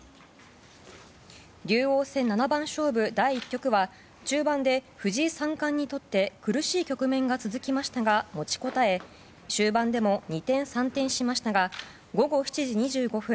竜王戦七番勝負第１局は中盤で藤井三冠にとって苦しい局面が続きましたが持ちこたえ終盤でも二転三転しましたが午後７時２５分